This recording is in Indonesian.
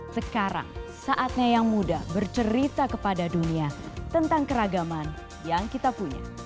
sekarang saatnya yang muda bercerita kepada dunia tentang keragaman yang kita punya